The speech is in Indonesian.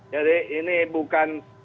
jadi ini bukan